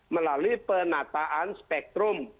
melalui penataan spektrum